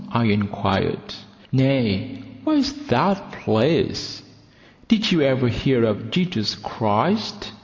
I inquired. "No; where is that place?" "Did you ever hear of Jesus Christ?"